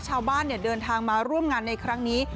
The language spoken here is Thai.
ชาวบ้านเดินทางมาร่วมงานในครั้งนี้